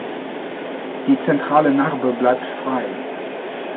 Die zentrale Narbe bleibt frei.